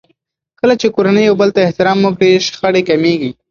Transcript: کله چې کورنۍ يو بل ته احترام وکړي، شخړې کمېږي.